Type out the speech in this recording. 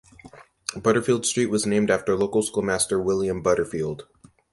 Butterfield Street was named after local schoolmaster William Butterfield.